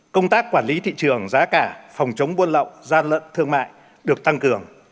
công tác quản lý thị trường giá cả phòng chống buôn lậu gian lận thương mại được tăng cường